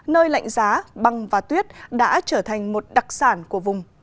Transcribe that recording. nơi lạnh giá băng và tuyết đã trở thành một đặc sản của vùng